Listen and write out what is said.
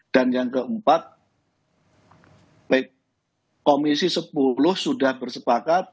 dan yang keempat komisi sepuluh sudah bersepakat